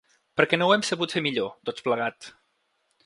Perquè no ho hem sabut fer millor, tots plegats.